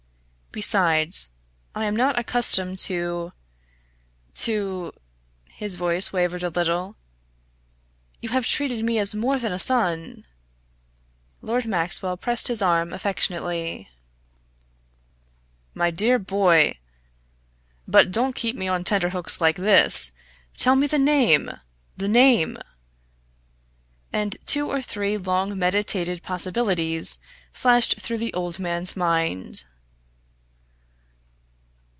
Besides, I am not accustomed to to " His voice wavered a little. "You have treated me as more than a son!" Lord Maxwell pressed his arm affectionately. "My dear boy! But don't keep me on tenterhooks like this tell me the name! the name!" And two or three long meditated possibilities flashed through the old man's mind.